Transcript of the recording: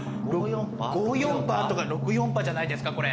５４８とか６４８じゃないですかこれ。